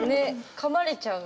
噛まれちゃうの？